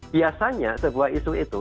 biasanya sebuah isu itu